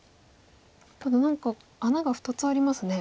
ただ何か穴が２つありますね。